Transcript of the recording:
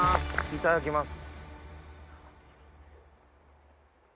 いただきます！